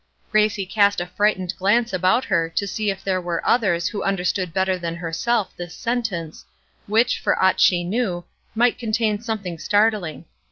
Gracie cast a frightened glance about her to see if there were others who understood better than herself this sentence, which, for aught she knew, might contain something startling.